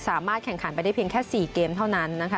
สามารถแข่งขันไปได้เพียงแค่๔เกมเท่านั้นนะคะ